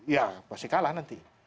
ya pasti kalah nanti